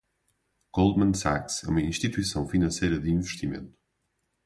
Goldman Sachs é uma instituição financeira de investimento.